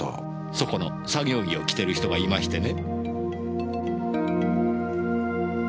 そこの作業着を着てる人がいましてね。